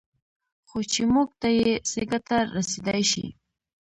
خو چې موږ ته یې څه ګټه رسېدای شي